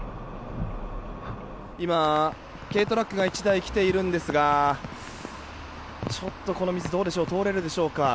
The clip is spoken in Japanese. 今、軽トラックが１台来ているんですがちょっとこの水、どうでしょう通れるでしょうか。